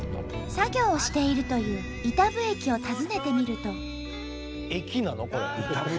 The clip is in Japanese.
作業をしているという飯給駅を訪ねてみると。